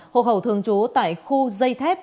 hộ khẩu thường trú tại khu dây thép